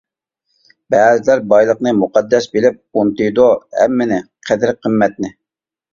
بەزىلەر بايلىقنى مۇقەددەس بىلىپ، ئۇنتۇيدۇ ھەممىنى قەدىر قىممەتنى.